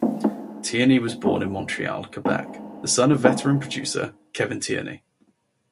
Tierney was born in Montreal, Quebec, the son of veteran producer Kevin Tierney.